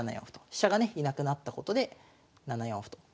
飛車がね居なくなったことで７四歩と。